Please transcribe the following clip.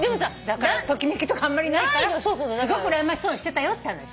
だからときめきとかあんまりないからすごくうらやましそうにしてたよって話。